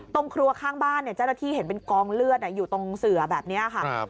ตรงครัวข้างบ้านเนี่ยเจ้าหน้าที่เห็นเป็นกองเลือดอยู่ตรงเสือแบบนี้ค่ะ